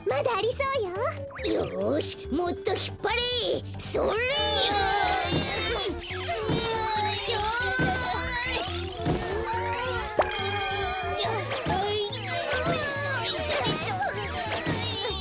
それそれと！